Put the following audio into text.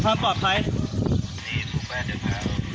เราพูดดี